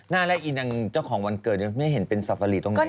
น่าแล้วอีนางเจ้าของวันเกิดไม่เห็นเป็นทรัฟฟารีตรงไหน